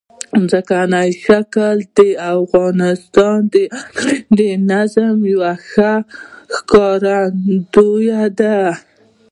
ځمکنی شکل د افغانستان د اقلیمي نظام یوه ښه ښکارندوی ده.